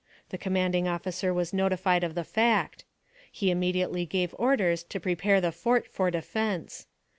The commanding officer was notified of the fact. He immediately gave orders to prepare the fort for defense.